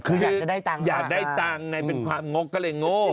คืออยากจะได้ตังค์อยากได้ตังค์ไงเป็นความงกก็เลยโง่